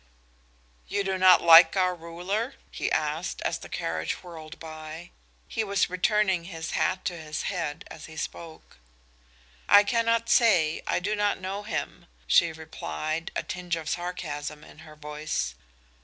"You do not like our ruler?" he said, as the carriage whirled by. He was returning his hat to his head as he spoke. "I cannot say. I do not know him," she replied, a tinge of sarcasm in her voice.